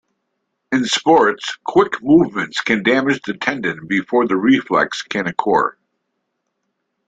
In sports, quick movements can damage the tendon before the reflex can occur.